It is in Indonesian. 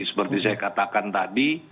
seperti saya katakan tadi